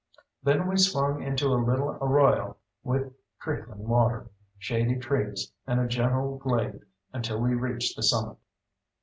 Then we swung into a little arroyo with trickling water, shady trees, and a gentle glade until we reached the summit.